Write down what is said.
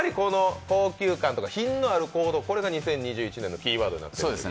高級感とか品のある行動が２０２１年のキーワードになっているんですね？